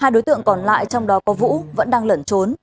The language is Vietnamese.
hai đối tượng còn lại trong đó có vũ vẫn đang lẩn trốn